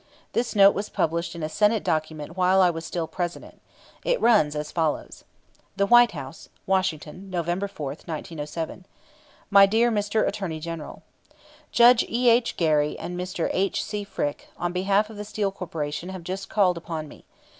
This note was published in a Senate Document while I was still President. It runs as follows: THE WHITE HOUSE, Washington, November 4, 1907. My dear Mr. Attorney General: Judge E. H. Gary and Mr. H. C. Frick, on behalf of the Steel Corporation, have just called upon me.